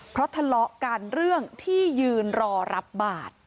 เพราะทะเลาะกันเรื่องที่ยืนรอรับบาท